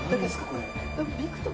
これ。